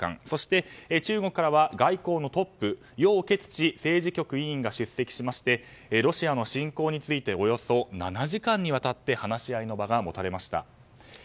そして、中国からは外交のトップヨウ・ケツチ政治局委員が出席しましてロシアの侵攻についておよそ７時間にわたって話し合いの場が持たれました。